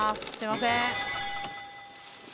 すいません。